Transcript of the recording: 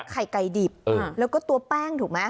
ใครไก่ดิบแล้วก็ตัวแป้งถูกมะ